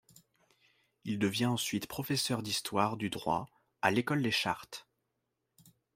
Il devient ensuite professeur d'histoire du droit à l’École des chartes.